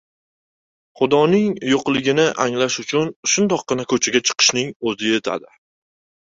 – Xudoning yoʻqligini anglash uchun shundoqqina koʻchaga chiqishning oʻzi yetadi.